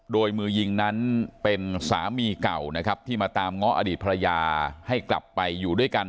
โดยมือยิงนั้นเป็นสามีเก่านะครับที่มาตามง้ออดีตภรรยาให้กลับไปอยู่ด้วยกัน